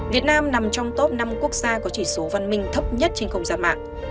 việt nam nằm trong top năm quốc gia có chỉ số văn minh thấp nhất trên không gian mạng